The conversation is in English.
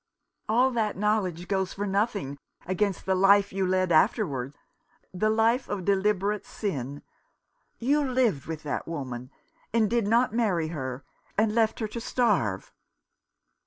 " "All that knowledge goes for nothing against the life you led afterwards — the life of deliberate sin. You lived with that woman, and did not marry her, and left her to starve."